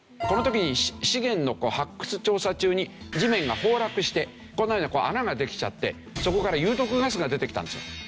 この時に資源の発掘調査中に地面が崩落してこんなふうに穴ができちゃってそこから有毒ガスが出てきたんです。